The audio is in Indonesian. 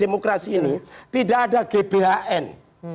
demokrasi ini tidak ada gbhn